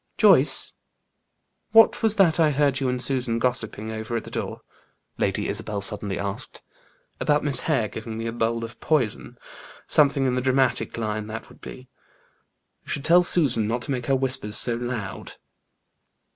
"Joyce, what was that I heard you and Susan gossiping over at the door?" Lady Isabel suddenly asked. "About Miss Hare giving me a bowl of poison. Something in the dramatic line that would be. You should tell Susan not to make her whispers so loud."